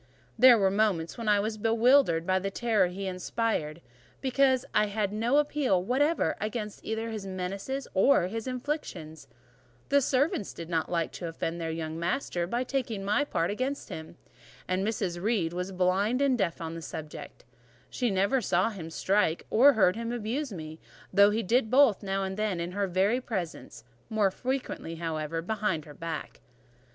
There were moments when I was bewildered by the terror he inspired, because I had no appeal whatever against either his menaces or his inflictions; the servants did not like to offend their young master by taking my part against him, and Mrs. Reed was blind and deaf on the subject: she never saw him strike or heard him abuse me, though he did both now and then in her very presence, more frequently, however, behind her back.